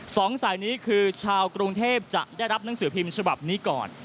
สองสายนี้คือชาวกรุงเทพจะได้รับหนังสือพิมพ์ฉบับนี้ก่อน